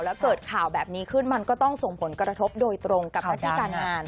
แล้วเกิดข่าวแบบนี้ขึ้นมันก็ต้องส่งผลกระทบโดยตรงกับหน้าที่การงาน